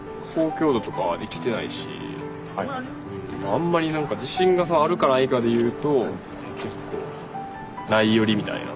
あんまりなんか自信がさあるかないかで言うと結構ない寄りみたいな。